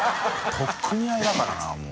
取っ組み合いだからなもう。